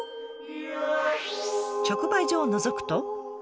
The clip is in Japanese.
直売所をのぞくと。